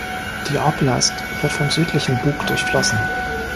Die Oblast wird vom Südlichen Bug durchflossen.